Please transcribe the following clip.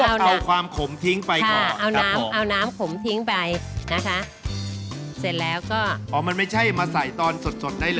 เอาความขมทิ้งไปก่อนเอาน้ำเอาน้ำขมทิ้งไปนะคะเสร็จแล้วก็อ๋อมันไม่ใช่มาใส่ตอนสดสดได้เลย